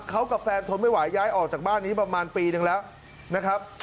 เขากับแฟนทนไม่ไหวย้ายออกจากบ้านนี้ประมาณปีนึงแล้วนะครับ